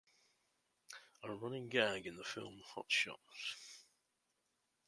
A running gag in the film Hot Shots!